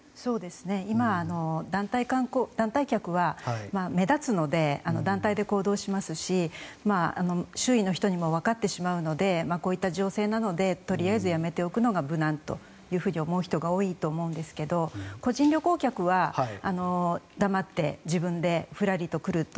今、団体客は目立つので団体で行動しますし周囲の人にもわかってしまうのでこういった情勢なのでとりあえずやめておくのが無難と思っている人が多いと思うんですが個人旅行客は黙って自分でふらりと来ると。